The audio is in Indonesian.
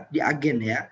di agen ya